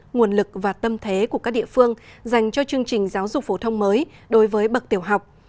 nguồn lực và tâm thế của các địa phương dành cho chương trình giáo dục phổ thông mới đối với bậc tiểu học